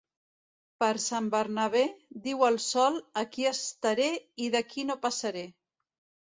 Per Sant Bernabé, diu el sol, aquí estaré i d'aquí no passaré.